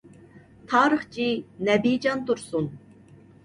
تارىخچى نەبىجان تۇرسۇن.